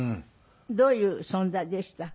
どういう存在でした？